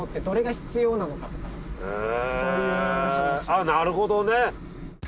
へぇなるほどね。